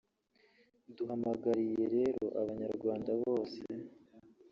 Duhamagariye lero abanyarwanda bose